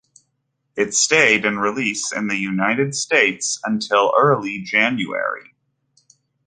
It stayed in release in the United States until early January.